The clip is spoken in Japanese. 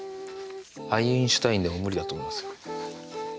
アインシュタインでも無理だと思いますよ。